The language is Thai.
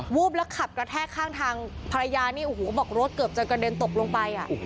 วูบแล้วขับกระแทกข้างทางภรรยานี่โอ้โหบอกรถเกือบจะกระเด็นตกลงไปอ่ะ